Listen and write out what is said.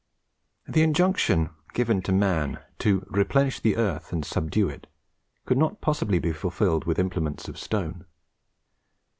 The injunction given to man to "replenish the earth and subdue it" could not possibly be fulfilled with implements of stone.